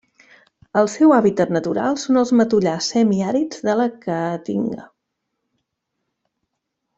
El seu hàbitat natural són els matollars semiàrids de la caatinga.